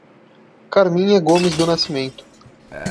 Carminha Gomes do Nascimento